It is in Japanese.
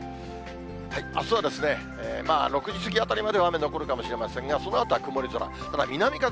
あすは、６時過ぎあたりまでは雨残るかもしれませんが、そのあとは曇り空。